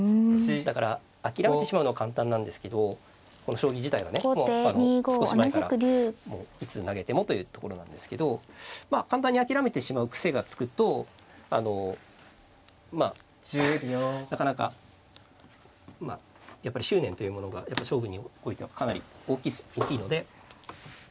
だから諦めてしまうのは簡単なんですけどこの将棋自体はねもう少し前からいつ投げてもというところなんですけどまあ簡単に諦めてしまう癖がつくとまあなかなかやっぱり執念というものが勝負においてはかなり大きいので。